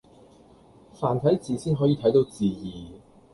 繁體字先可以睇到字義